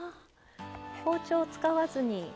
包丁を使わずに。